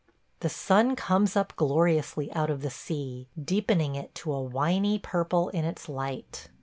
... The sun comes up gloriously out of the sea, deepening it to a winy purple in its light.